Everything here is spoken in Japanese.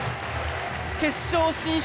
決勝進出。